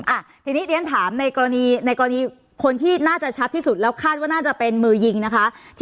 อ่ะทีนี้เรียนถามในกรณีในกรณีคนที่น่าจะชัดที่สุดแล้วคาดว่าน่าจะเป็นมือยิงนะคะ